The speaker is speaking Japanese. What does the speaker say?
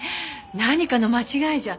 何かの間違いじゃ。